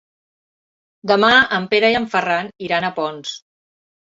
Demà en Pere i en Ferran iran a Ponts.